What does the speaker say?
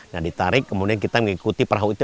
nah ditarik kemudian kita mengikuti perahu itu